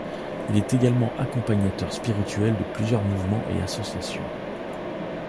Il est également accompagnateur spirituel de plusieurs mouvements et associations.